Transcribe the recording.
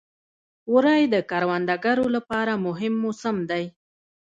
وری د کروندګرو لپاره مهم موسم دی.